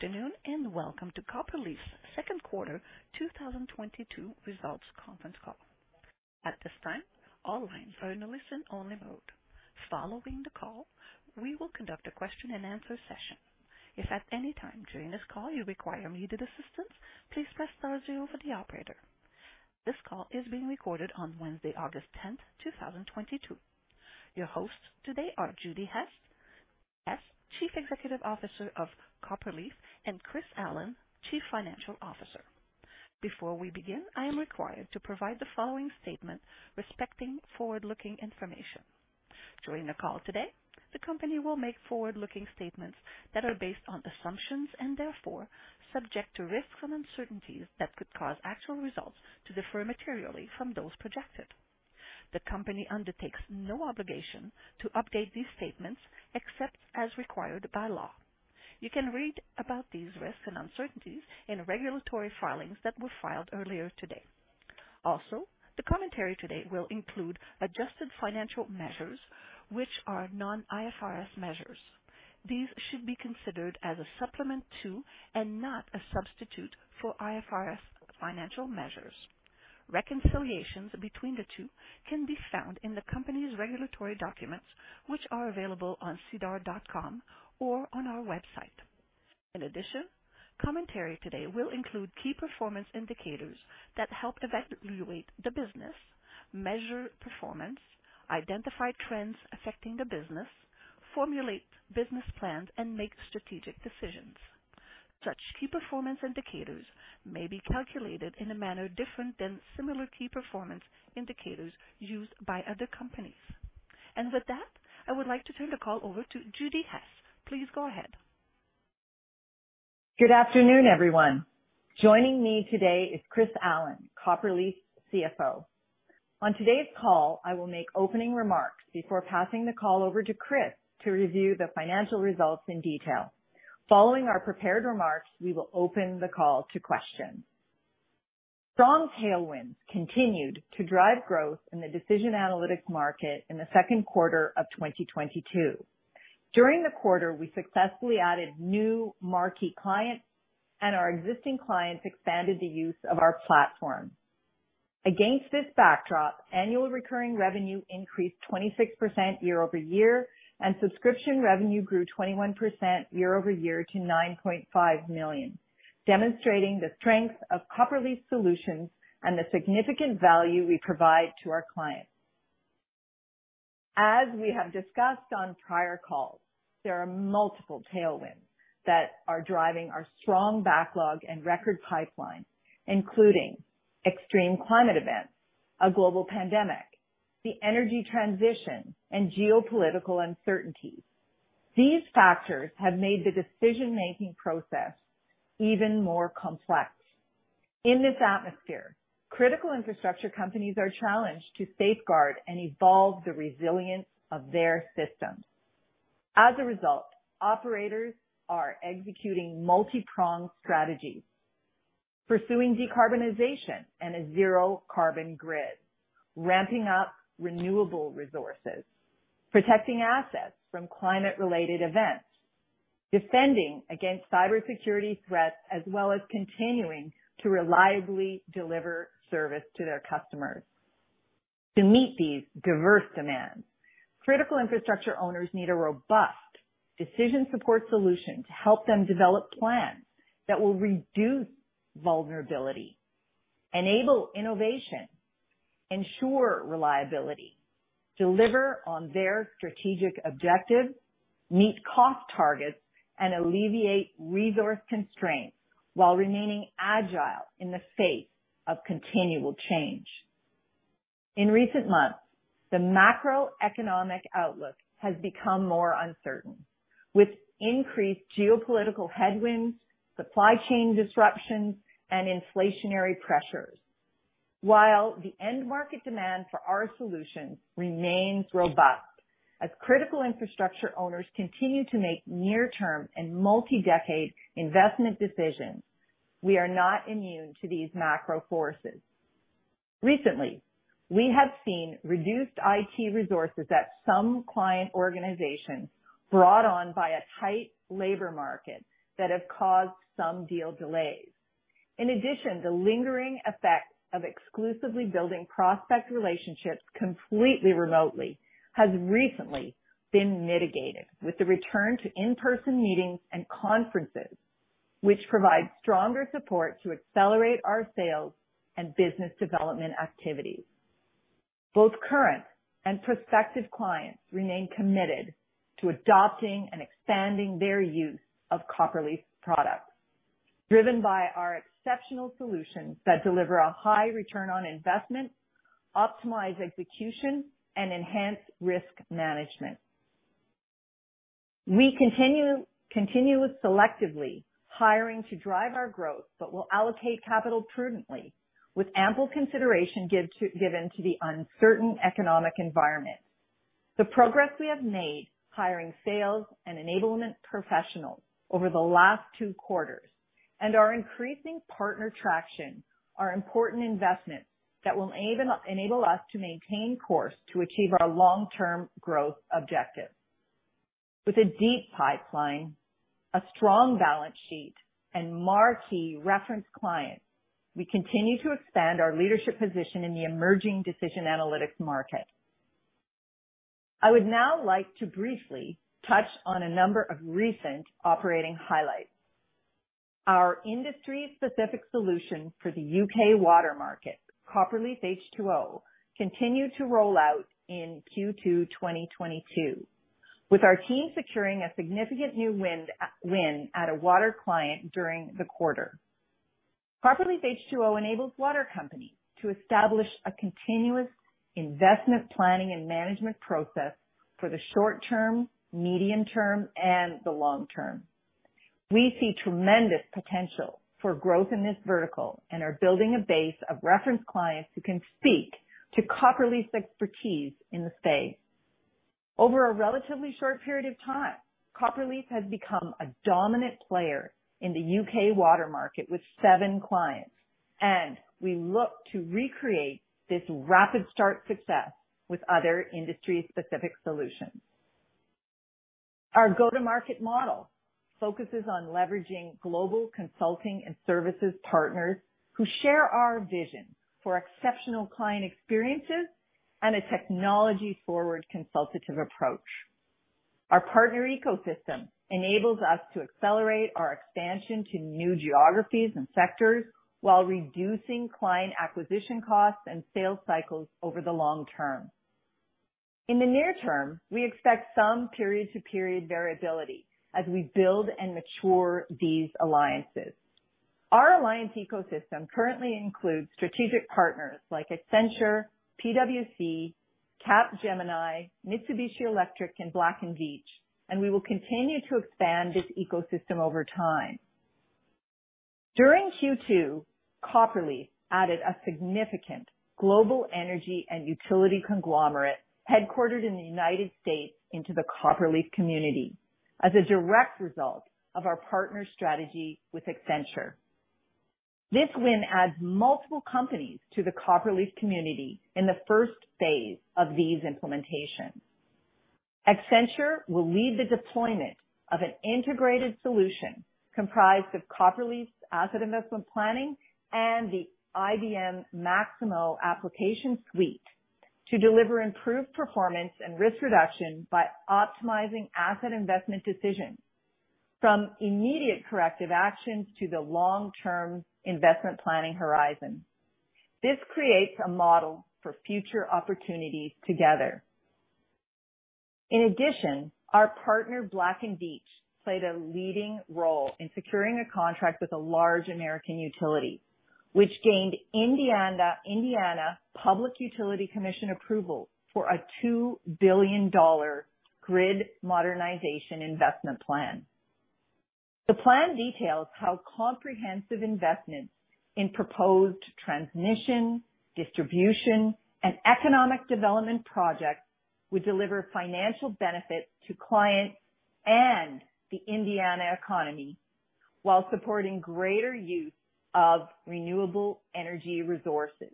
Good afternoon, and welcome to Copperleaf's Q2 2022 results conference call. At this time, all lines are in a listen-only mode. Following the call, we will conduct a question-and-answer session. If at any time during this call you require immediate assistance, please press star zero for the operator. This call is being recorded on Wednesday, August 10, 2022. Your hosts today are Judi Hess, Chief Executive Officer of Copperleaf, and Chris Allen, Chief Financial Officer. Before we begin, I am required to provide the following statement respecting forward-looking information. During the call today, the company will make forward-looking statements that are based on assumptions and, therefore, subject to risks and uncertainties that could cause actual results to differ materially from those projected. The company undertakes no obligation to update these statements except as required by law. You can read about these risks and uncertainties in regulatory filings that were filed earlier today. Also, the commentary today will include adjusted financial measures, which are non-IFRS measures. These should be considered as a supplement to and not a substitute for IFRS financial measures. Reconciliations between the two can be found in the company's regulatory documents, which are available on SEDAR.com or on our website. In addition, commentary today will include key performance indicators that help evaluate the business, measure performance, identify trends affecting the business, formulate business plans, and make strategic decisions. Such key performance indicators may be calculated in a manner different than similar key performance indicators used by other companies. With that, I would like to turn the call over to Judi Hess. Please go ahead. Good afternoon, everyone. Joining me today is Chris Allen, Copperleaf's CFO. On today's call, I will make opening remarks before passing the call over to Chris to review the financial results in detail. Following our prepared remarks, we will open the call to questions. Strong tailwinds continued to drive growth in the decision analytics market in the Q2 of 2022. During the quarter, we successfully added new marquee clients, and our existing clients expanded the use of our platform. Against this backdrop, annual recurring revenue increased 26% year-over-year, and subscription revenue grew 21% year-over-year to 9.5 million, demonstrating the strength of Copperleaf solutions and the significant value we provide to our clients. As we have discussed on prior calls, there are multiple tailwinds that are driving our strong backlog and record pipeline, including extreme climate events, a global pandemic, the energy transition, and geopolitical uncertainties. These factors have made the decision-making process even more complex. In this atmosphere, critical infrastructure companies are challenged to safeguard and evolve the resilience of their systems. As a result, operators are executing multipronged strategies, pursuing decarbonization and a zero carbon grid, ramping up renewable resources, protecting assets from climate-related events, defending against cybersecurity threats, as well as continuing to reliably deliver service to their customers. To meet these diverse demands, critical infrastructure owners need a robust decision support solution to help them develop plans that will reduce vulnerability, enable innovation, ensure reliability, deliver on their strategic objectives, meet cost targets, and alleviate resource constraints while remaining agile in the face of continual change. In recent months, the macroeconomic outlook has become more uncertain, with increased geopolitical headwinds, supply chain disruptions, and inflationary pressures. While the end market demand for our solutions remains robust, as critical infrastructure owners continue to make near-term and multi-decade investment decisions, we are not immune to these macro forces. Recently, we have seen reduced IT resources at some client organizations brought on by a tight labor market that have caused some deal delays. In addition, the lingering effect of exclusively building prospect relationships completely remotely has recently been mitigated with the return to in-person meetings and conferences, which provide stronger support to accelerate our sales and business development activities. Both current and prospective clients remain committed to adopting and expanding their use of Copperleaf products, driven by our exceptional solutions that deliver a high return on investment, optimize execution, and enhance risk management. We continue selectively hiring to drive our growth but will allocate capital prudently with ample consideration given to the uncertain economic environment. The progress we have made hiring sales and enablement professionals over the last two quarters. Our increasing partner traction are important investments that will enable us to maintain course to achieve our long-term growth objectives. With a deep pipeline, a strong balance sheet, and marquee reference clients, we continue to expand our leadership position in the emerging decision analytics market. I would now like to briefly touch on a number of recent operating highlights. Our industry-specific solution for the U.K. water market, Copperleaf H2O, continued to roll out in Q2 2022, with our team securing a significant new win at a water client during the quarter. Copperleaf H2O enables water companies to establish a continuous investment planning and management process for the short term, medium term, and the long term. We see tremendous potential for growth in this vertical and are building a base of reference clients who can speak to Copperleaf's expertise in the space. Over a relatively short period of time, Copperleaf has become a dominant player in the U.K. water market with seven clients, and we look to recreate this rapid start success with other industry-specific solutions. Our go-to-market model focuses on leveraging global consulting and services partners who share our vision for exceptional client experiences and a technology-forward consultative approach. Our partner ecosystem enables us to accelerate our expansion to new geographies and sectors while reducing client acquisition costs and sales cycles over the long term. In the near term, we expect some period-to-period variability as we build and mature these alliances. Our alliance ecosystem currently includes strategic partners like Accenture, PwC, Capgemini, Mitsubishi Electric, and Black & Veatch, and we will continue to expand this ecosystem over time. During Q2, Copperleaf added a significant global energy and utility conglomerate headquartered in the United States into the Copperleaf community as a direct result of our partner strategy with Accenture. This win adds multiple companies to the Copperleaf community in the first phase of these implementations. Accenture will lead the deployment of an integrated solution comprised of Copperleaf's Asset Investment Planning and the IBM Maximo Application Suite to deliver improved performance and risk reduction by optimizing asset investment decisions from immediate corrective actions to the long-term investment planning horizon. This creates a model for future opportunities together. In addition, our partner, Black & Veatch, played a leading role in securing a contract with a large American utility, which gained Indiana Utility Regulatory Commission approval for a 2 billion dollar grid modernization investment plan. The plan details how comprehensive investments in proposed transmission, distribution, and economic development projects would deliver financial benefits to clients and the Indiana economy while supporting greater use of renewable energy resources.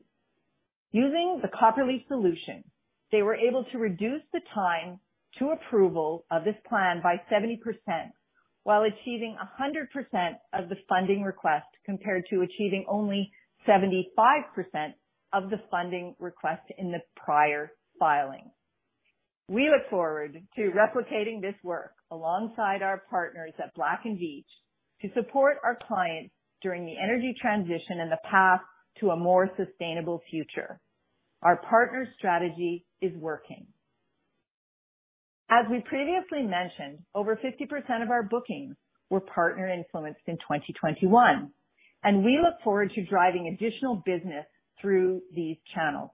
Using the Copperleaf solution, they were able to reduce the time to approval of this plan by 70% while achieving 100% of the funding request, compared to achieving only 75% of the funding request in the prior filing. We look forward to replicating this work alongside our partners at Black & Veatch to support our clients during the energy transition and the path to a more sustainable future. Our partner strategy is working. As we previously mentioned, over 50% of our bookings were partner influenced in 2021, and we look forward to driving additional business through these channels.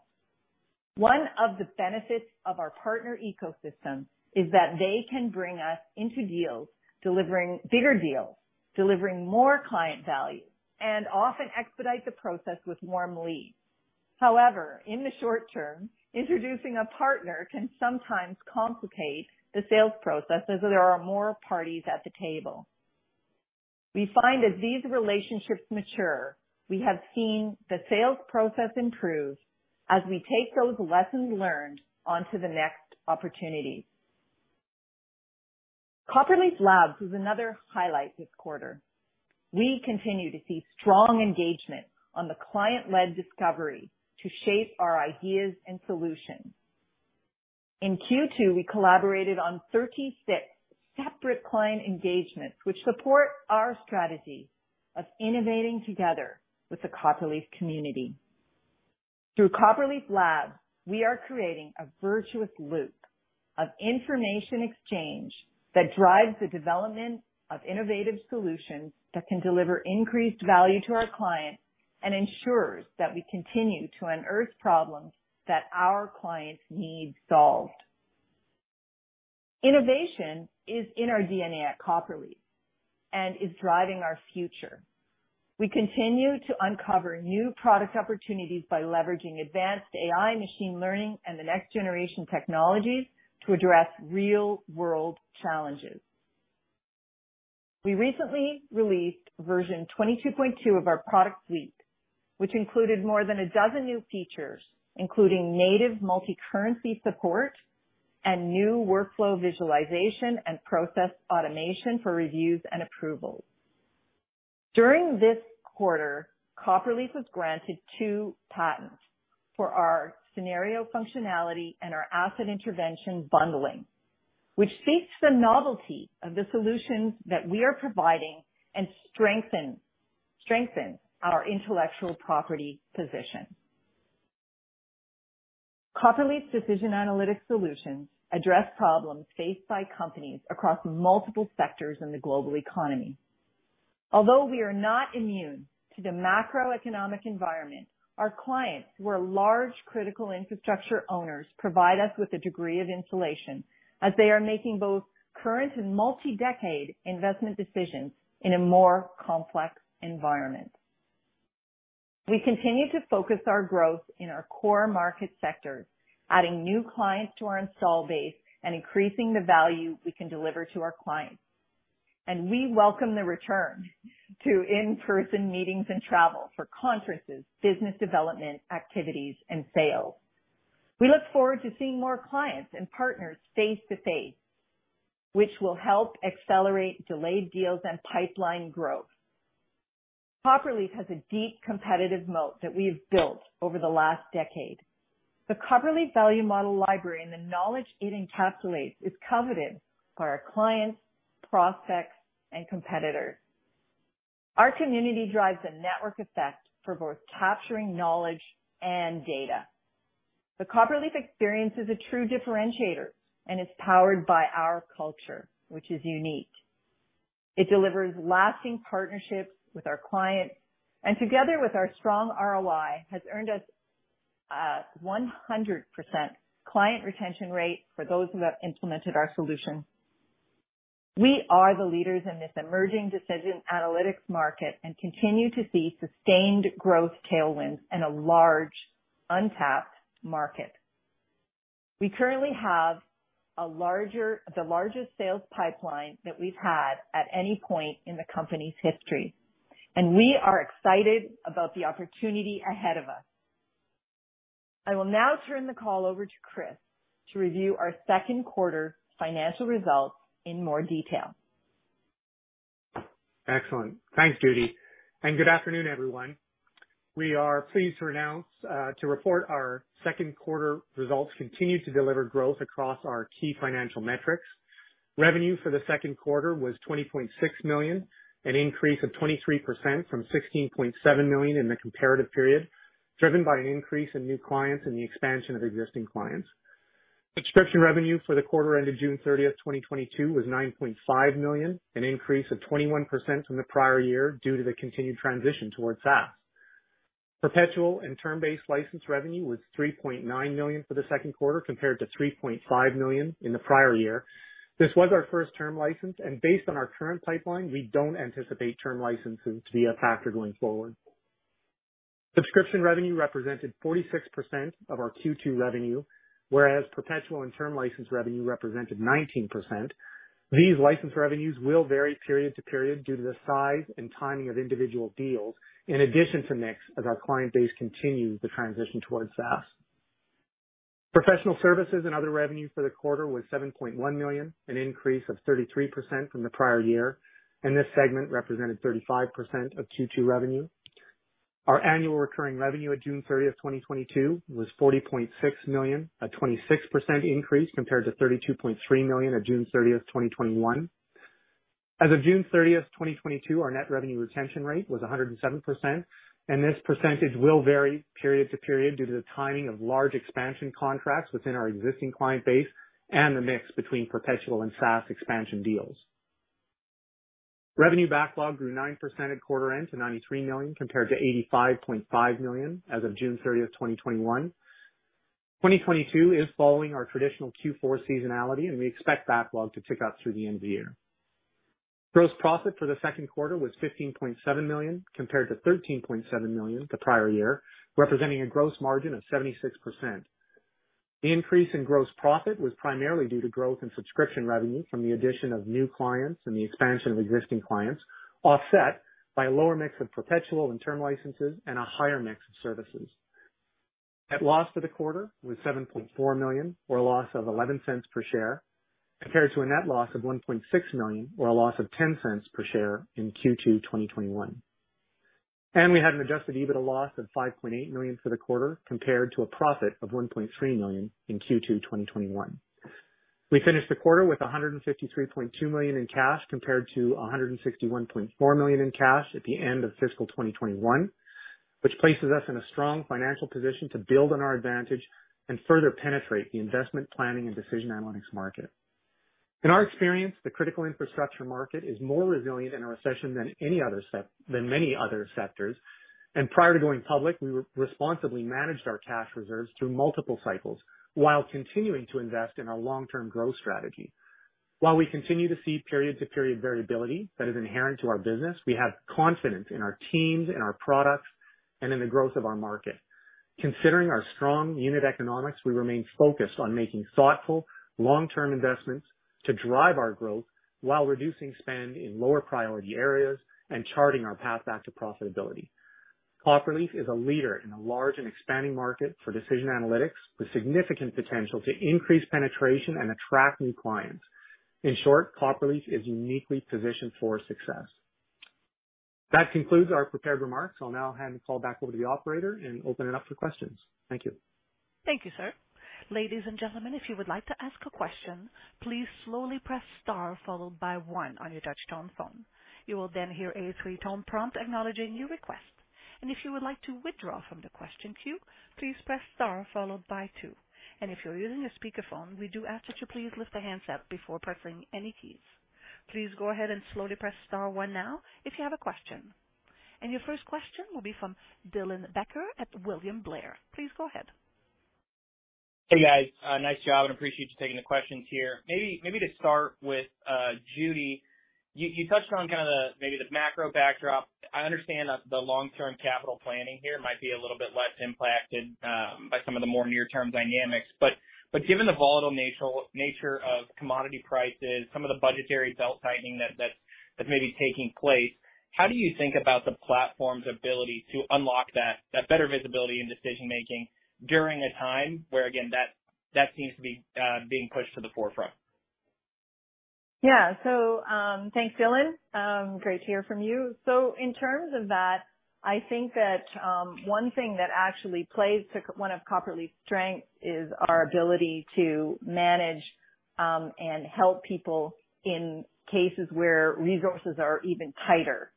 One of the benefits of our partner ecosystem is that they can bring us into deals, delivering bigger deals, delivering more client value, and often expedite the process with warm leads. However, in the short term, introducing a partner can sometimes complicate the sales process as there are more parties at the table. We find as these relationships mature, we have seen the sales process improve as we take those lessons learned onto the next opportunity. Copperleaf Labs is another highlight this quarter. We continue to see strong engagement on the client-led discovery to shape our ideas and solutions. In Q2, we collaborated on 36 separate client engagements, which support our strategy of innovating together with the Copperleaf community. Through Copperleaf Labs, we are creating a virtuous loop of information exchange that drives the development of innovative solutions that can deliver increased value to our clients and ensures that we continue to unearth problems that our clients need solved. Innovation is in our DNA at Copperleaf and is driving our future. We continue to uncover new product opportunities by leveraging advanced AI machine learning and the next generation technologies to address real world challenges. We recently released version 22.2 of our product suite, which included more than a dozen new features, including native multi-currency support and new workflow visualization and process automation for reviews and approvals. During this quarter, Copperleaf was granted two patents for our scenario functionality and our asset intervention bundling, which seeks the novelty of the solutions that we are providing and strengthen our intellectual property position. Copperleaf's decision analytics solutions address problems faced by companies across multiple sectors in the global economy. Although we are not immune to the macroeconomic environment, our clients, who are large critical infrastructure owners, provide us with a degree of insulation as they are making both current and multi-decade investment decisions in a more complex environment. We continue to focus our growth in our core market sectors, adding new clients to our install base and increasing the value we can deliver to our clients. We welcome the return to in-person meetings and travel for conferences, business development activities, and sales. We look forward to seeing more clients and partners face to face, which will help accelerate delayed deals and pipeline growth. Copperleaf has a deep competitive moat that we have built over the last decade. The Copperleaf Value Model Library and the knowledge it encapsulates is coveted by our clients, prospects, and competitors. Our community drives a network effect for both capturing knowledge and data. The Copperleaf experience is a true differentiator and is powered by our culture, which is unique. It delivers lasting partnerships with our clients and together with our strong ROI, has earned us 100% client retention rate for those who have implemented our solution. We are the leaders in this emerging decision analytics market and continue to see sustained growth tailwinds in a large untapped market. We currently have the largest sales pipeline that we've had at any point in the company's history, and we are excited about the opportunity ahead of us. I will now turn the call over to Chris to review our Q2 financial results in more detail. Excellent. Thanks, Judi, and good afternoon, everyone. We are pleased to report our Q2 results continued to deliver growth across our key financial metrics. Revenue for the Q2 was 20.6 million, an increase of 23% from 16.7 million in the comparative period, driven by an increase in new clients and the expansion of existing clients. Subscription revenue for the quarter ended June 30, 2022 was 9.5 million, an increase of 21% from the prior year due to the continued transition towards SaaS. Perpetual and term-based license revenue was 3.9 million for the Q2, compared to 3.5 million in the prior year. This was our first term license, and based on our current pipeline, we don't anticipate term licenses to be a factor going forward. Subscription revenue represented 46% of our Q2 revenue, whereas perpetual and term license revenue represented 19%. These license revenues will vary period to period due to the size and timing of individual deals, in addition to mix as our client base continues to transition towards SaaS. Professional services and other revenue for the quarter was 7.1 million, an increase of 33% from the prior year, and this segment represented 35% of Q2 revenue. Our annual recurring revenue at June 30, 2022 was 40.6 million, a 26% increase compared to 32.3 million at June 30, 2021. As of June 30, 2022, our net revenue retention rate was 107%, and this percentage will vary period to period due to the timing of large expansion contracts within our existing client base and the mix between perpetual and SaaS expansion deals. Revenue backlog grew 9% at quarter end to 93 million, compared to 85.5 million as of June 30, 2021. 2022 is following our traditional Q4 seasonality, and we expect backlog to tick up through the end of the year. Gross profit for the Q2 was 15.7 million, compared to 13.7 million the prior year, representing a gross margin of 76%. The increase in gross profit was primarily due to growth in subscription revenue from the addition of new clients and the expansion of existing clients, offset by a lower mix of perpetual and term licenses and a higher mix of services. Net loss for the quarter was 7.4 million, or a loss of 0.11 per share, compared to a net loss of 1.6 million or a loss of 0.10 per share in Q2 2021. We had an adjusted EBITDA loss of 5.8 million for the quarter, compared to a profit of 1.3 million in Q2 2021. We finished the quarter with 153.2 million in cash, compared to 161.4 million in cash at the end of fiscal 2021, which places us in a strong financial position to build on our advantage and further penetrate the investment planning and decision analytics market. In our experience, the critical infrastructure market is more resilient in a recession than many other sectors. Prior to going public, we responsibly managed our cash reserves through multiple cycles while continuing to invest in our long-term growth strategy. While we continue to see period to period variability that is inherent to our business, we have confidence in our teams and our products and in the growth of our market. Considering our strong unit economics, we remain focused on making thoughtful long-term investments to drive our growth while reducing spend in lower priority areas and charting our path back to profitability. Copperleaf is a leader in a large and expanding market for decision analytics, with significant potential to increase penetration and attract new clients. In short, Copperleaf is uniquely positioned for success. That concludes our prepared remarks. I'll now hand the call back over to the operator and open it up for questions. Thank you. Thank you, sir. Ladies and gentlemen, if you would like to ask a question, please slowly press star followed by one on your touchtone phone. You will then hear a three-tone prompt acknowledging your request. If you would like to withdraw from the question queue, please press star followed by two. If you're using a speakerphone, we do ask that you please lift the handset before pressing any keys. Please go ahead and slowly press star one now if you have a question. Your first question will be from Dylan Becker at William Blair. Please go ahead. Hey, guys. Nice job, and appreciate you taking the questions here. Maybe to start with, Judi, you touched on kind of the macro backdrop. I understand that the long-term capital planning here might be a little bit less impacted by some of the more near-term dynamics. Given the volatile nature of commodity prices, some of the budgetary belt-tightening that's maybe taking place, how do you think about the platform's ability to unlock that better visibility in decision-making during a time where, again, that seems to be being pushed to the forefront? Yeah. Thanks, Dylan. Great to hear from you. In terms of that, I think that one thing that actually plays to one of Copperleaf's strengths is our ability to manage and help people in cases where resources are even tighter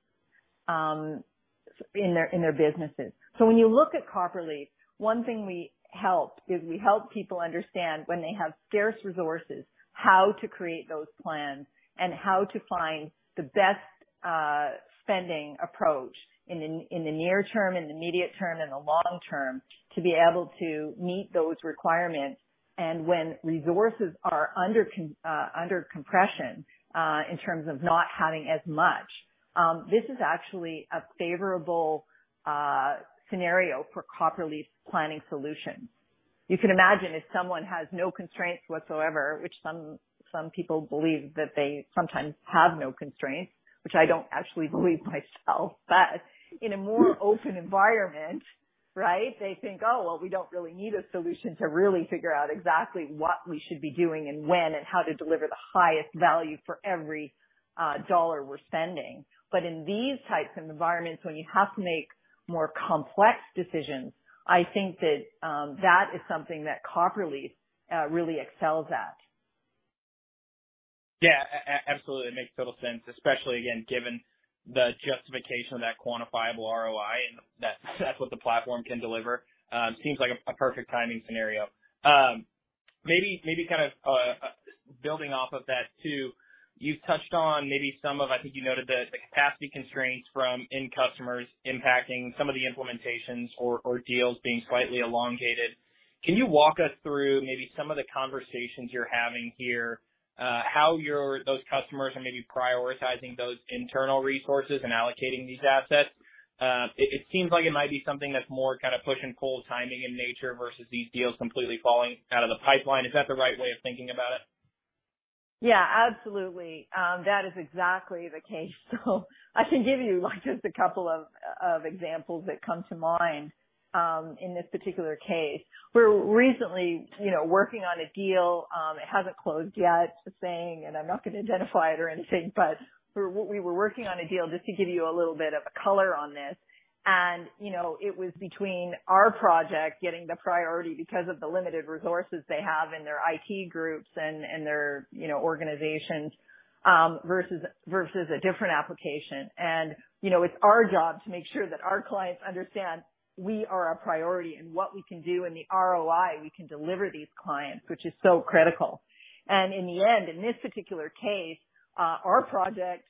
in their businesses. When you look at Copperleaf, one thing we help is we help people understand when they have scarce resources, how to create those plans and how to find the best spending approach in the near term, in the immediate term, in the long term, to be able to meet those requirements. When resources are under compression in terms of not having as much, this is actually a favorable scenario for Copperleaf's planning solution. You can imagine if someone has no constraints whatsoever, which some people believe that they sometimes have no constraints, which I don't actually believe myself. In a more open environment, right? They think, "Oh, well, we don't really need a solution to really figure out exactly what we should be doing and when and how to deliver the highest value for every dollar we're spending." In these types of environments, when you have to make more complex decisions, I think that is something that Copperleaf really excels at. Yeah. Absolutely. It makes total sense, especially again, given the justification of that quantifiable ROI and that that's what the platform can deliver. Seems like a perfect timing scenario. Maybe kind of building off of that too, you've touched on maybe some of. I think you noted the capacity constraints from end customers impacting some of the implementations or deals being slightly elongated. Can you walk us through maybe some of the conversations you're having here, how those customers are maybe prioritizing those internal resources and allocating these assets? It seems like it might be something that's more kind of push and pull timing in nature versus these deals completely falling out of the pipeline. Is that the right way of thinking about it? Yeah, absolutely. That is exactly the case. I can give you like just a couple of examples that come to mind, in this particular case. We were recently, you know, working on a deal. It hasn't closed yet, just saying, and I'm not gonna identify it or anything, but we were working on a deal, just to give you a little bit of a color on this. You know, it was between our project getting the priority because of the limited resources they have in their IT groups and their, you know, organizations, versus a different application. You know, it's our job to make sure that our clients understand we are a priority and what we can do and the ROI we can deliver to these clients, which is so critical. In the end, in this particular case, our project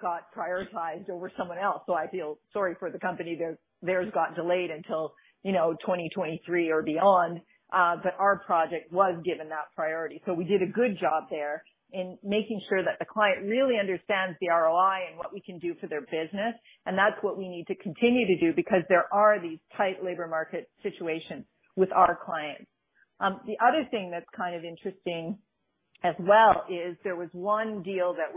got prioritized over someone else. I feel sorry for the company. Theirs got delayed until, you know, 2023 or beyond. Our project was given that priority. We did a good job there in making sure that the client really understands the ROI and what we can do for their business. That's what we need to continue to do because there are these tight labor market situations with our clients. The other thing that's kind of interesting as well is there was one deal that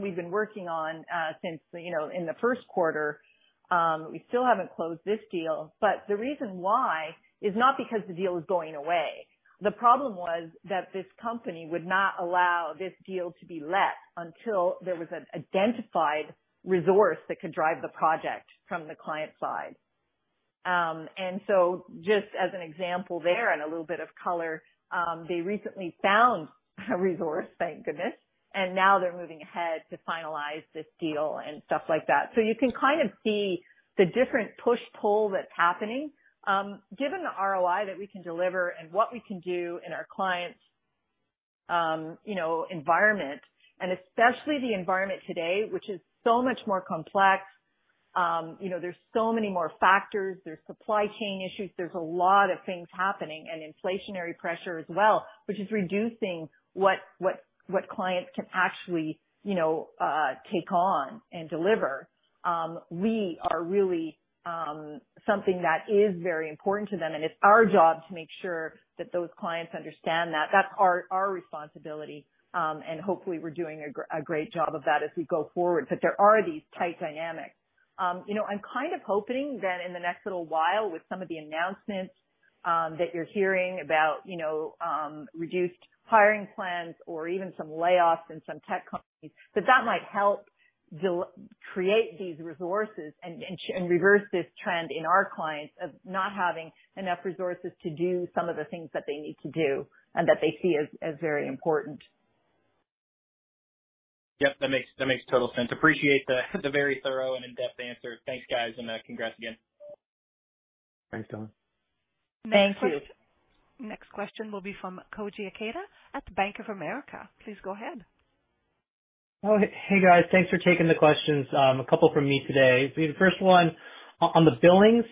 we've been working on since, you know, in the Q1. We still haven't closed this deal, but the reason why is not because the deal is going away. The problem was that this company would not allow this deal to be let until there was an identified resource that could drive the project from the client side. Just as an example there and a little bit of color, they recently found a resource, thank goodness, and now they're moving ahead to finalize this deal and stuff like that. You can kind of see the different push-pull that's happening. Given the ROI that we can deliver and what we can do in our clients', you know, environment, and especially the environment today, which is so much more complex. You know, there's so many more factors. There's supply chain issues. There's a lot of things happening, and inflationary pressure as well, which is reducing what clients can actually, you know, take on and deliver. We are really, something that is very important to them, and it's our job to make sure that those clients understand that. That's our responsibility, and hopefully we're doing a great job of that as we go forward. There are these tight dynamics. You know, I'm kind of hoping that in the next little while, with some of the announcements, that you're hearing about, you know, reduced hiring plans or even some layoffs in some tech companies, that might help create these resources and reverse this trend in our clients of not having enough resources to do some of the things that they need to do and that they see as very important. Yep, that makes total sense. Appreciate the very thorough and in-depth answer. Thanks, guys, and congrats again. Thanks, Dylan Becker. Thank you. Next question will be from Koji Ikeda at Bank of America. Please go ahead. Oh, hey guys. Thanks for taking the questions. A couple from me today. The first one on the billings,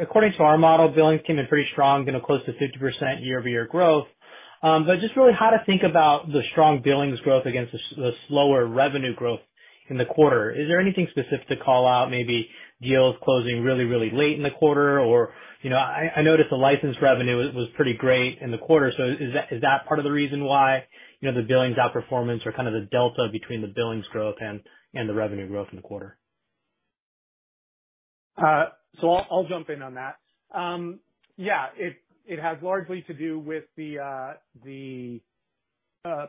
according to our model, billings came in pretty strong, you know, close to 50% year-over-year growth. Just really how to think about the strong billings growth against the slower revenue growth in the quarter. Is there anything specific to call out, maybe deals closing really, really late in the quarter? Or, you know, I noticed the license revenue was pretty great in the quarter. Is that part of the reason why, you know, the billings outperformance or kind of the delta between the billings growth and the revenue growth in the quarter? I'll jump in on that. It has largely to do with the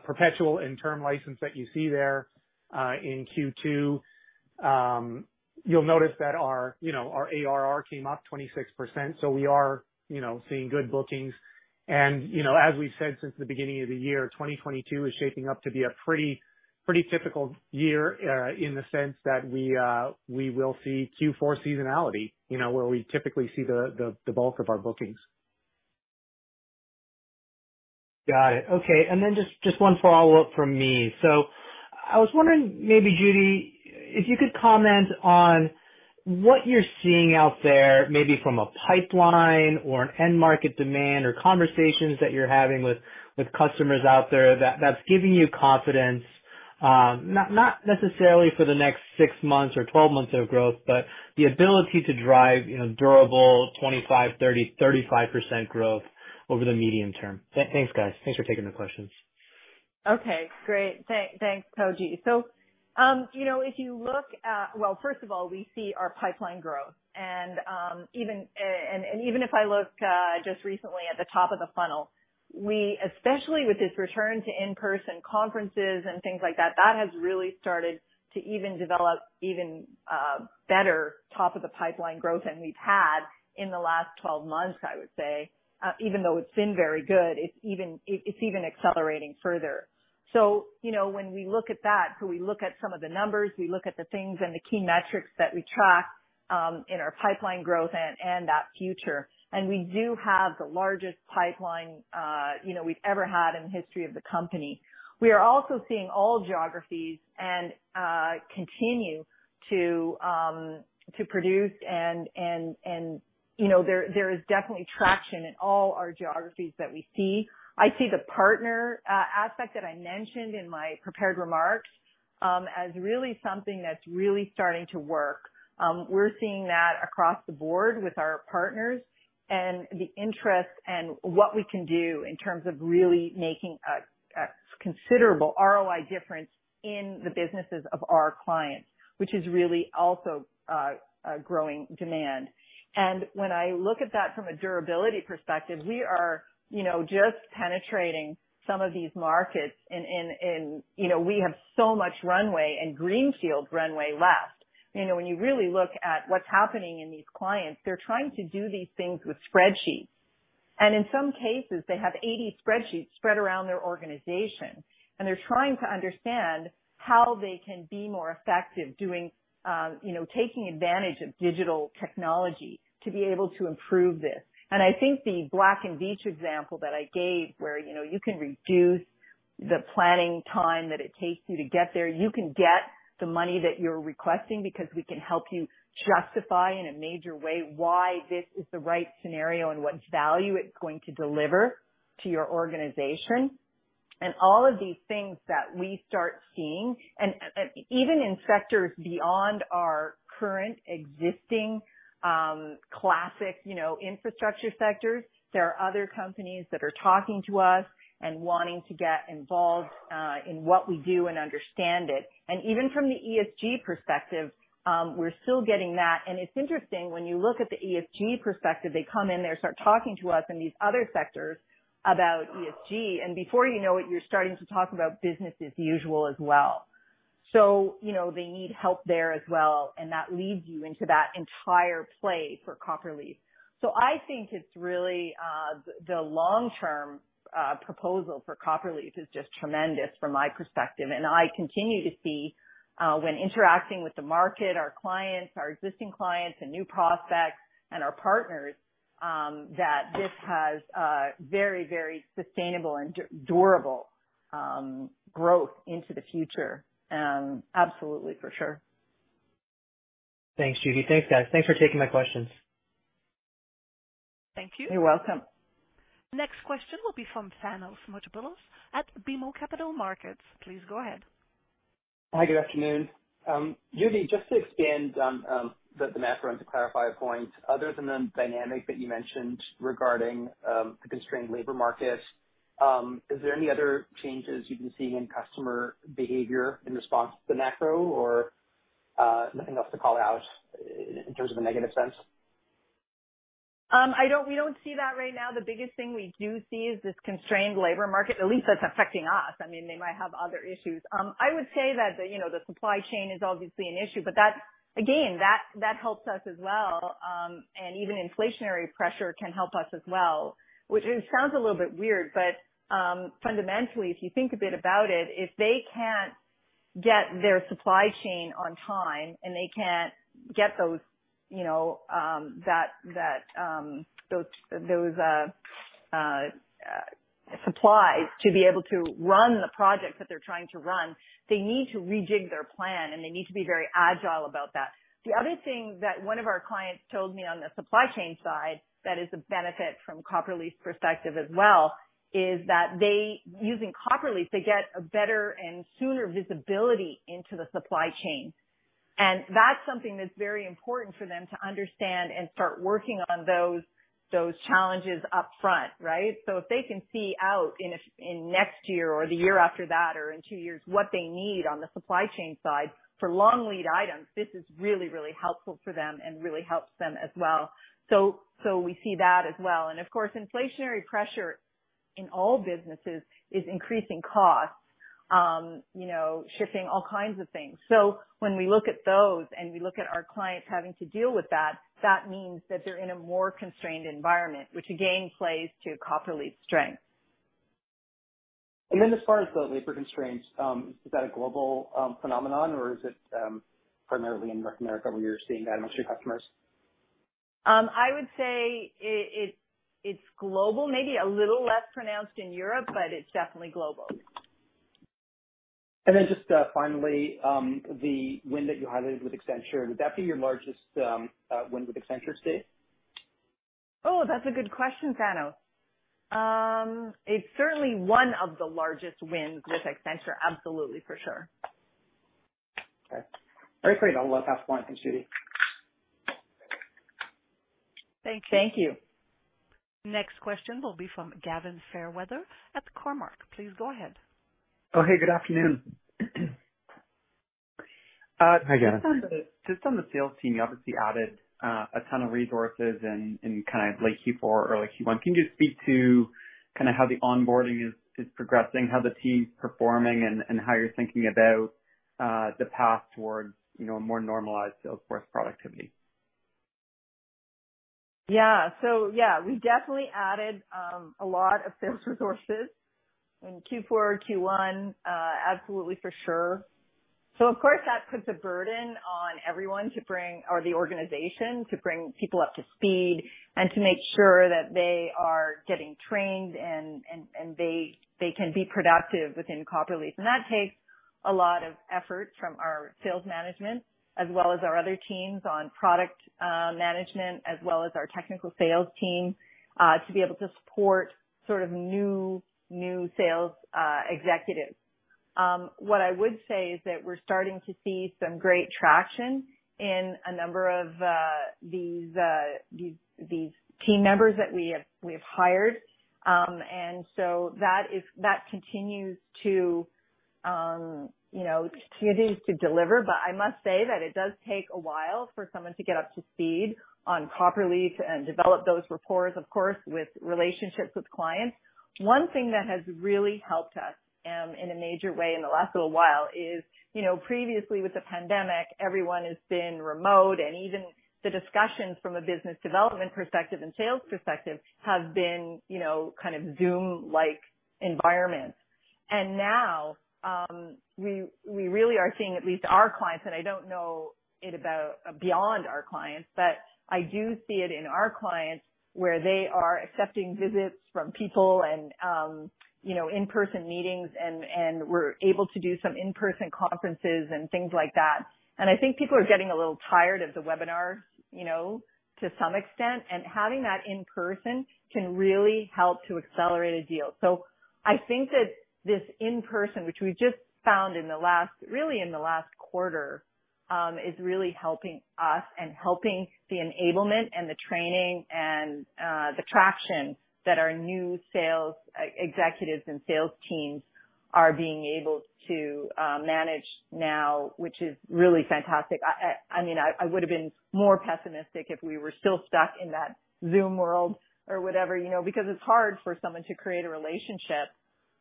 perpetual and term license that you see there in Q2. You'll notice that our, you know, our ARR came up 26%, so we are, you know, seeing good bookings. You know, as we've said since the beginning of the year, 2022 is shaping up to be a pretty typical year in the sense that we will see Q4 seasonality, you know, where we typically see the bulk of our bookings. Got it. Okay. Just one follow-up from me. I was wondering, maybe Judi, if you could comment on what you're seeing out there, maybe from a pipeline or an end market demand or conversations that you're having with customers out there that's giving you confidence, not necessarily for the next six months or 12 months of growth, but the ability to drive, you know, durable 25%, 30%, 35% growth over the medium term. Thanks, guys. Thanks for taking the questions. Okay, great. Thanks, Koji. You know, if you look at. Well, first of all, we see our pipeline growth and even if I look just recently at the top of the funnel, we especially with this return to in-person conferences and things like that has really started to develop better top of the pipeline growth than we've had in the last 12 months, I would say. Even though it's been very good, it's even accelerating further. You know, when we look at that, we look at some of the numbers, we look at the things and the key metrics that we track in our pipeline growth and that future, and we do have the largest pipeline you know we've ever had in the history of the company. We are also seeing all geographies and continue to produce and you know there is definitely traction in all our geographies that we see. I see the partner aspect that I mentioned in my prepared remarks as really something that's really starting to work. We're seeing that across the board with our partners and the interest and what we can do in terms of really making a considerable ROI difference in the businesses of our clients, which is really also a growing demand. When I look at that from a durability perspective, we are you know just penetrating some of these markets and you know we have so much runway and greenfield runway left. You know when you really look at what's happening in these clients, they're trying to do these things with spreadsheets. In some cases, they have 80 spreadsheets spread around their organization, and they're trying to understand how they can be more effective doing, you know, taking advantage of digital technology to be able to improve this. I think the Black & Veatch example that I gave, where, you know, you can reduce the planning time that it takes you to get there, you can get the money that you're requesting because we can help you justify in a major way why this is the right scenario and what value it's going to deliver to your organization. All of these things that we start seeing, and even in sectors beyond our current existing, classic, you know, infrastructure sectors, there are other companies that are talking to us and wanting to get involved in what we do and understand it. Even from the ESG perspective, we're still getting that. It's interesting when you look at the ESG perspective, they come in there, start talking to us in these other sectors about ESG, and before you know it, you're starting to talk about business as usual as well. You know, they need help there as well, and that leads you into that entire play for Copperleaf. I think it's really, the long-term, proposal for Copperleaf is just tremendous from my perspective. I continue to see, when interacting with the market, our clients, our existing clients and new prospects and our partners, that this has a very, very sustainable and durable, growth into the future, absolutely for sure. Thanks, Judi. Thanks, guys. Thanks for taking my questions. Thank you. You're welcome. Next question will be from Thanos Moschopoulos at BMO Capital Markets. Please go ahead. Hi, good afternoon. Judi, just to expand on the macro and to clarify a point, other than the dynamic that you mentioned regarding the constrained labor market, is there any other changes you've been seeing in customer behavior in response to the macro or nothing else to call out in terms of a negative sense? We don't see that right now. The biggest thing we do see is this constrained labor market, at least that's affecting us. I mean, they might have other issues. I would say that the, you know, the supply chain is obviously an issue, but that's again, that helps us as well. Even inflationary pressure can help us as well, which it sounds a little bit weird, but, fundamentally, if you think a bit about it, if they can't get their supply chain on time, and they can't get those, you know, those supplies to be able to run the project that they're trying to run, they need to rejig their plan, and they need to be very agile about that. The other thing that one of our clients told me on the supply chain side that is a benefit from Copperleaf's perspective as well, is that they using Copperleaf, they get a better and sooner visibility into the supply chain. That's something that's very important for them to understand and start working on those challenges up front, right? If they can see out in next year or the year after that or in two years, what they need on the supply chain side for long lead items, this is really, really helpful for them and really helps them as well. We see that as well. Of course, inflationary pressure in all businesses is increasing costs, you know, shifting all kinds of things. When we look at those and we look at our clients having to deal with that means that they're in a more constrained environment, which again, plays to Copperleaf's strength. As far as the labor constraints, is that a global phenomenon or is it primarily in North America where you're seeing that amongst your customers? I would say it's global, maybe a little less pronounced in Europe, but it's definitely global. Just, finally, the win that you highlighted with Accenture, would that be your largest win with Accenture to date? Oh, that's a good question, Thanos. It's certainly one of the largest wins with Accenture. Absolutely, for sure. Okay. Very great. I'll let pass the point. Thanks, Judi. Thank you. Next question will be from Gavin Fairweather at Cormark. Please go ahead. Oh, hey, good afternoon. Hi, Gavin. Just on the sales team, you obviously added a ton of resources in kind of late Q4, early Q1. Can you speak to kind of how the onboarding is progressing, how the team's performing and how you're thinking about the path towards, you know, a more normalized sales force productivity? Yeah. We definitely added a lot of sales resources in Q4, Q1, absolutely for sure. Of course, that puts a burden on everyone to bring the organization to bring people up to speed and to make sure that they are getting trained and they can be productive within Copperleaf. That takes a lot of effort from our sales management as well as our other teams on product management, as well as our technical sales team to be able to support sort of new sales executives. What I would say is that we're starting to see some great traction in a number of these team members that we have hired. That continues to deliver, but I must say that it does take a while for someone to get up to speed on Copperleaf and develop those rapport, of course, with relationships with clients. One thing that has really helped us in a major way in the last little while is, you know, previously with the pandemic, everyone has been remote, and even the discussions from a business development perspective and sales perspective have been, you know, kind of Zoom-like environments. Now, we really are seeing at least our clients, and I don't know about beyond our clients, but I do see it in our clients, where they are accepting visits from people and, you know, in-person meetings and we're able to do some in-person conferences and things like that. I think people are getting a little tired of the webinars, you know, to some extent. Having that in person can really help to accelerate a deal. I think that this in-person, really in the last quarter, is really helping us and helping the enablement and the training and the traction that our new sales executives and sales teams are being able to manage now, which is really fantastic. I mean, I would've been more pessimistic if we were still stuck in that Zoom world or whatever, you know. Because it's hard for someone to create a relationship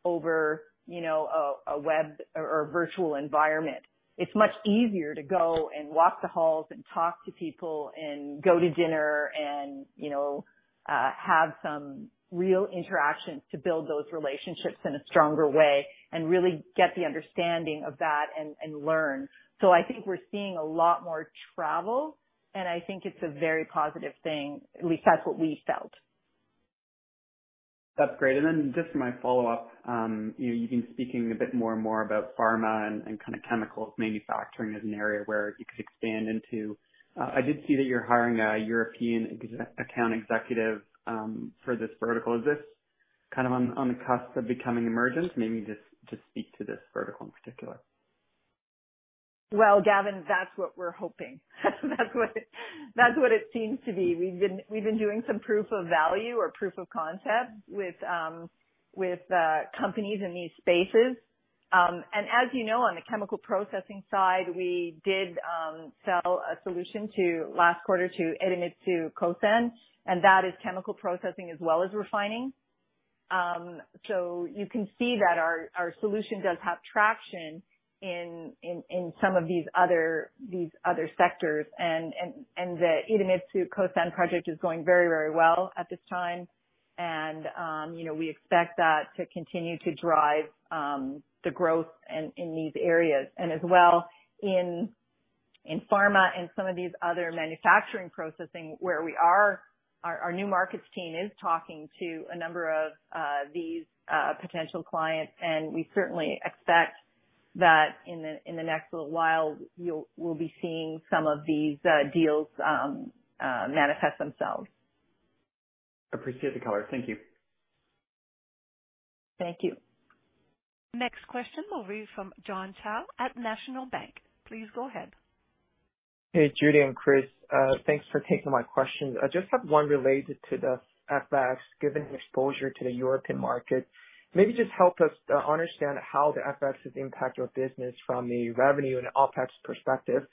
over, you know, a web or virtual environment. It's much easier to go and walk the halls and talk to people and go to dinner and, you know, have some real interactions to build those relationships in a stronger way and really get the understanding of that and learn. I think we're seeing a lot more travel, and I think it's a very positive thing. At least that's what we felt. That's great. Just for my follow-up, you know, you've been speaking a bit more and more about pharma and kind of chemical manufacturing as an area where you could expand into. I did see that you're hiring a European account executive for this vertical. Is this kind of on the cusp of becoming emergent? Maybe just speak to this vertical in particular. Well, Gavin, that's what we're hoping. That's what it seems to be. We've been doing some proof of value or proof of concept with companies in these spaces. As you know, on the chemical processing side, we did sell a solution last quarter to Idemitsu Kosan, and that is chemical processing as well as refining. You can see that our solution does have traction in some of these other sectors. The Idemitsu Kosan project is going very well at this time. You know, we expect that to continue to drive the growth in these areas. As well in pharma and some of these other manufacturing processing where we are, our new markets team is talking to a number of these potential clients, and we certainly expect that in the next little while we'll be seeing some of these deals manifest themselves. Appreciate the color. Thank you. Thank you. Next question will be from John Shao at National Bank. Please go ahead. Hey, Judi and Chris, thanks for taking my questions. I just have one related to the FX, given the exposure to the European market. Maybe just help us understand how the FX has impacted your business from the revenue and OpEx perspective.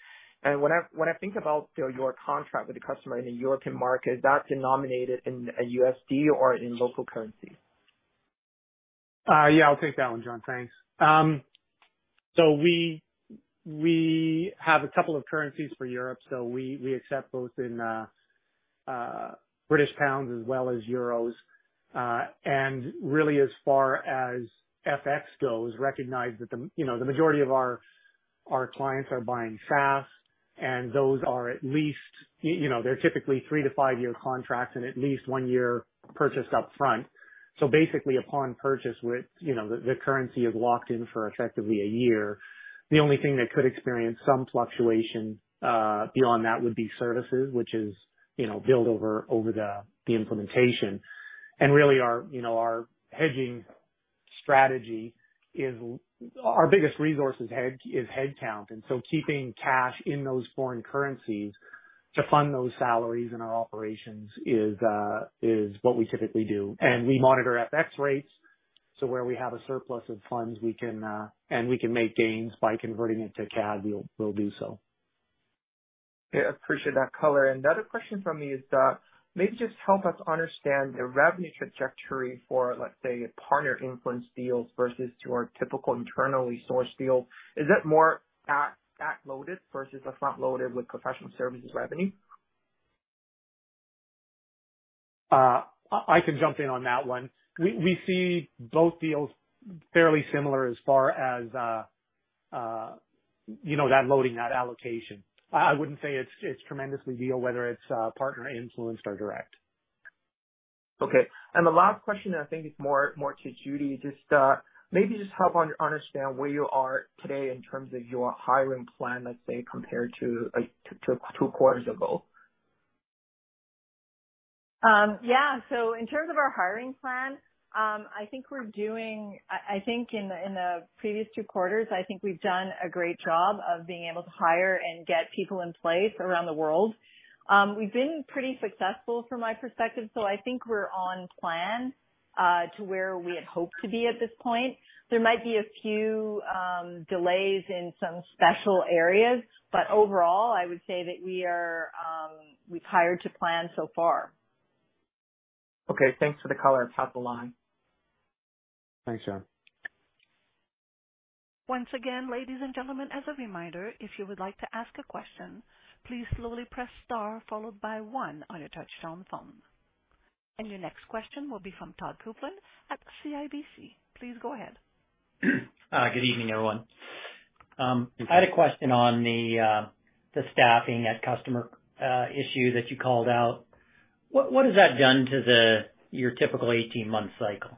When I think about, you know, your contract with the customer in the European market, is that denominated in USD or in local currency? Yeah, I'll take that one, John. Thanks. We have a couple of currencies for Europe. We accept both in British pounds as well as euros. Really as far as FX goes, recognize that you know, the majority of our clients are buying SaaS, and those are at least, you know, they're typically three to five-year contracts and at least one year purchased upfront. Basically upon purchase with, you know, the currency is locked in for effectively a year. The only thing that could experience some fluctuation beyond that would be services, which is, you know, billed over the implementation. Really, you know, our hedging strategy is. Our biggest resource is headcount, so keeping cash in those foreign currencies to fund those salaries and our operations is what we typically do. We monitor FX rates, so where we have a surplus of funds, we can make gains by converting it to CAD, we'll do so. Yeah, appreciate that color. The other question from me is that maybe just help us understand the revenue trajectory for, let's say, a partner influence deals versus to our typical internally sourced deal. Is it more back-loaded versus a front-loaded with professional services revenue? I can jump in on that one. We see both deals fairly similar as far as, you know, that loading, that allocation. I wouldn't say it's tremendously different whether it's partner influenced or direct. Okay. The last question I think is more to Judi. Just, maybe just help understand where you are today in terms of your hiring plan, let's say compared to two quarters ago. Yeah. In terms of our hiring plan, I think in the previous two quarters, I think we've done a great job of being able to hire and get people in place around the world. We've been pretty successful from my perspective, so I think we're on plan to where we had hoped to be at this point. There might be a few delays in some special areas, but overall, I would say that we are. We've hired to plan so far. Okay. Thanks for the color. I'll pass the line. Thanks, John. Once again, ladies and gentlemen, as a reminder, if you would like to ask a question, please slowly press star followed by one on your touch-tone phone. Your next question will be from Todd Coupland at CIBC. Please go ahead. Good evening, everyone. Good evening. I had a question on the staffing at customer issue that you called out. What has that done to your typical 18-month cycle?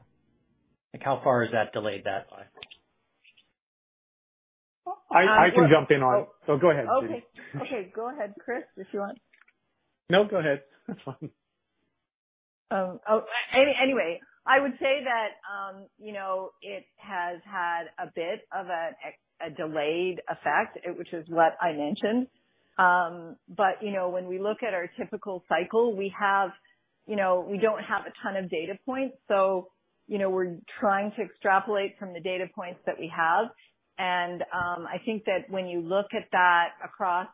Like, how far has that delayed that by? Well, I can jump in on it. Go ahead, Judi. Okay. Go ahead, Chris, if you want. No, go ahead. That's fine. Anyway, I would say that, you know, it has had a bit of a delayed effect, which is what I mentioned. You know, when we look at our typical cycle, we have, you know, we don't have a ton of data points, so, you know, we're trying to extrapolate from the data points that we have. I think that when you look at that across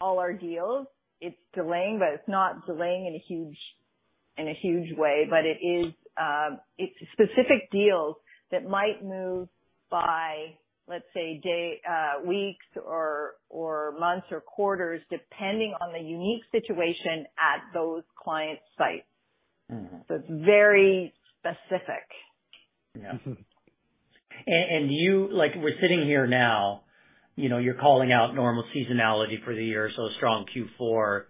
all our deals, it's delaying, but it's not delaying in a huge way. It is specific deals that might move by, let's say, day, weeks or months or quarters depending on the unique situation at those clients' sites. Mm-hmm. It's very specific. Yeah. Mm-hmm. Like we're sitting here now, you know, you're calling out normal seasonality for the year, so a strong Q4.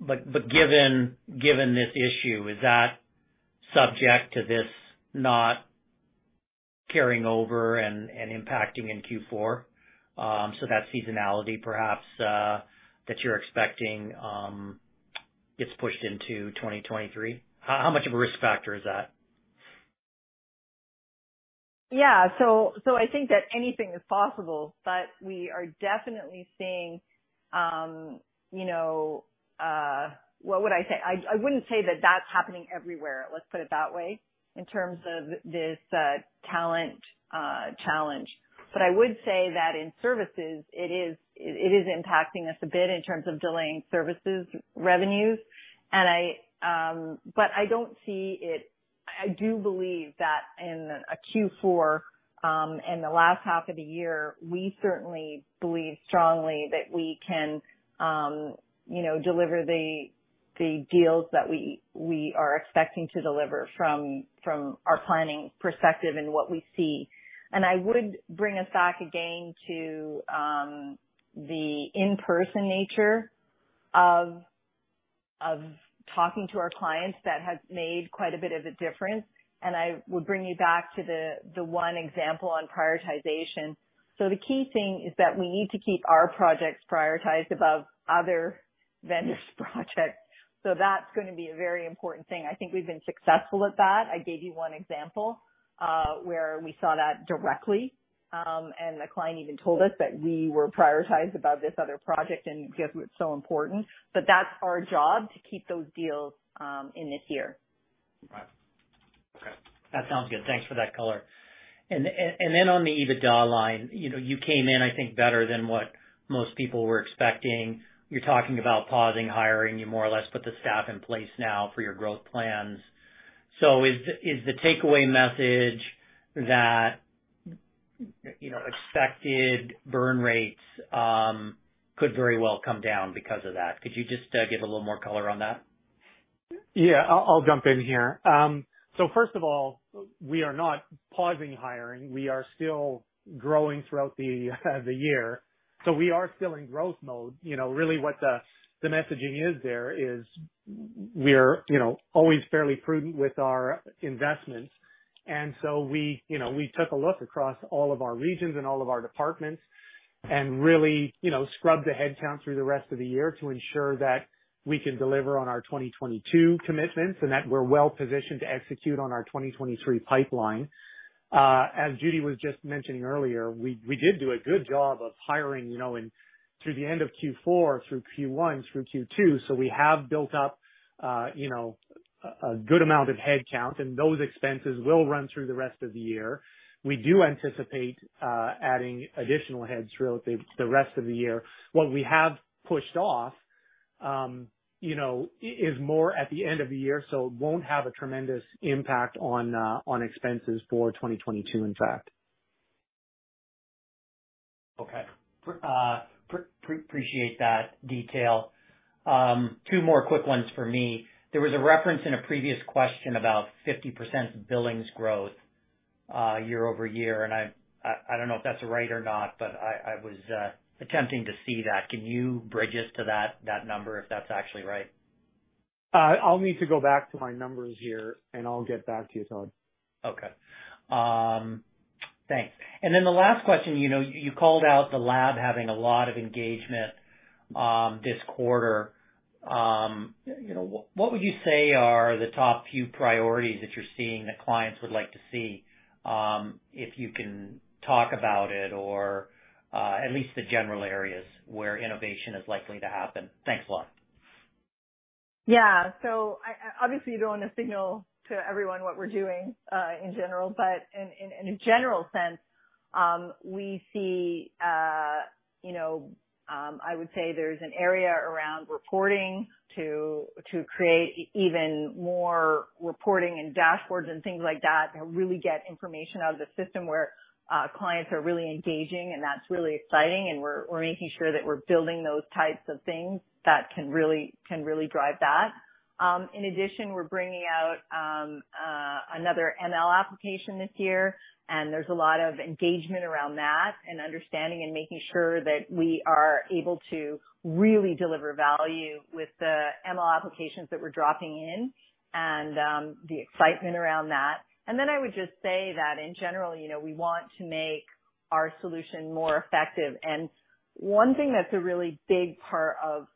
But given this issue, is that subject to this not carrying over and impacting in Q4? That seasonality perhaps that you're expecting gets pushed into 2023. How much of a risk factor is that? I think that anything is possible, but we are definitely seeing you know what would I say? I wouldn't say that that's happening everywhere, let's put it that way, in terms of this talent challenge. I would say that in services it is impacting us a bit in terms of delaying services revenues. I don't see it. I do believe that in a Q4 and the last half of the year, we certainly believe strongly that we can you know deliver the deals that we are expecting to deliver from our planning perspective and what we see. I would bring us back again to the in-person nature of talking to our clients that has made quite a bit of a difference. I would bring you back to the one example on prioritization. The key thing is that we need to keep our projects prioritized above other vendors' projects. That's gonna be a very important thing. I think we've been successful at that. I gave you one example where we saw that directly. The client even told us that we were prioritized above this other project and because it was so important. That's our job, to keep those deals in this year. Right. Okay. That sounds good. Thanks for that color. Then on the EBITDA line, you know, you came in, I think, better than what most people were expecting. You're talking about pausing hiring. You more or less put the staff in place now for your growth plans. Is the takeaway message that, you know, expected burn rates could very well come down because of that? Could you just give a little more color on that? Yeah. I'll jump in here. So first of all, we are not pausing hiring. We are still growing throughout the year. We are still in growth mode. You know, really, what the messaging is there is we're always fairly prudent with our investments. We, you know, we took a look across all of our regions and all of our departments and really, you know, scrubbed the head count through the rest of the year to ensure that we can deliver on our 2022 commitments and that we're well-positioned to execute on our 2023 pipeline. As Judi was just mentioning earlier, we did do a good job of hiring, you know, in through the end of Q4, through Q1, through Q2. We have built up, you know, a good amount of head count, and those expenses will run through the rest of the year. We do anticipate adding additional heads throughout the rest of the year. What we have pushed off, you know, is more at the end of the year, so it won't have a tremendous impact on expenses for 2022, in fact. Okay. Appreciate that detail. Two more quick ones for me. There was a reference in a previous question about 50% billings growth, year-over-year, and I don't know if that's right or not, but I was attempting to see that. Can you bridge us to that number if that's actually right? I'll need to go back to my numbers here, and I'll get back to you, Todd. Okay. Thanks. The last question, you know, you called out the lab having a lot of engagement, this quarter. You know, what would you say are the top few priorities that you're seeing that clients would like to see? If you can talk about it or, at least the general areas where innovation is likely to happen. Thanks a lot. Yeah. I obviously don't wanna signal to everyone what we're doing in general, but in a general sense, we see you know, I would say there's an area around reporting to create even more reporting and dashboards and things like that, to really get information out of the system where clients are really engaging, and that's really exciting. We're making sure that we're building those types of things that can really drive that. In addition, we're bringing out another ML application this year, and there's a lot of engagement around that and understanding and making sure that we are able to really deliver value with the ML applications that we're dropping in and the excitement around that. I would just say that in general, you know, we want to make our solution more effective. One thing that's a really big part of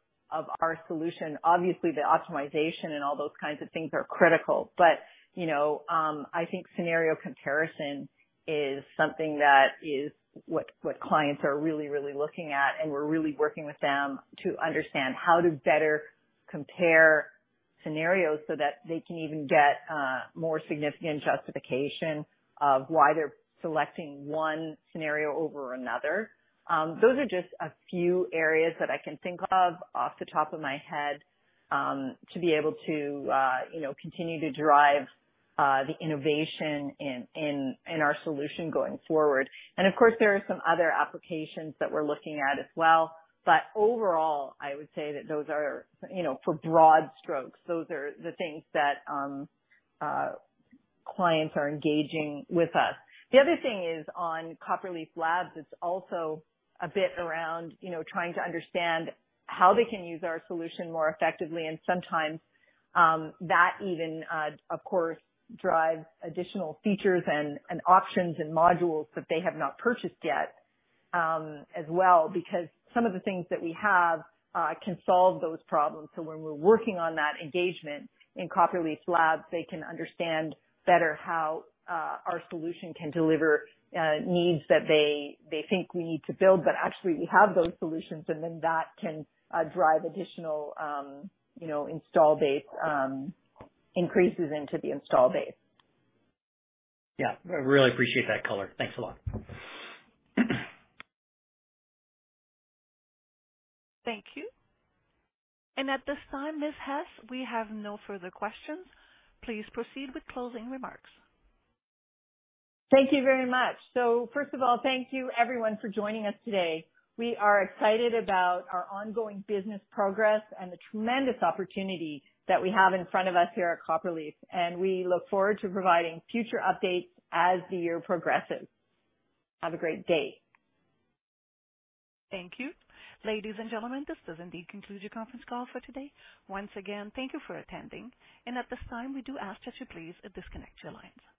our solution, obviously the optimization and all those kinds of things are critical, but, you know, I think scenario comparison is something that is what clients are really looking at. We're really working with them to understand how to better compare scenarios so that they can even get more significant justification of why they're selecting one scenario over another. Those are just a few areas that I can think of off the top of my head to be able to, you know, continue to drive the innovation in our solution going forward. Of course, there are some other applications that we're looking at as well, but overall, I would say that those are, you know, for broad strokes, those are the things that clients are engaging with us. The other thing is on Copperleaf Labs, it's also a bit around, you know, trying to understand how they can use our solution more effectively. Sometimes, that even of course drives additional features and options and modules that they have not purchased yet, as well, because some of the things that we have can solve those problems. When we're working on that engagement in Copperleaf Labs, they can understand better how our solution can deliver needs that they think we need to build, but actually we have those solutions and then that can drive additional, you know, install base increases into the install base. Yeah. I really appreciate that color. Thanks a lot. Thank you. At this time, Ms. Hess, we have no further questions. Please proceed with closing remarks. Thank you very much. First of all, thank you everyone for joining us today. We are excited about our ongoing business progress and the tremendous opportunity that we have in front of us here at Copperleaf, and we look forward to providing future updates as the year progresses. Have a great day. Thank you. Ladies and gentlemen, this does indeed conclude your conference call for today. Once again, thank you for attending. At this time, we do ask that you please disconnect your lines.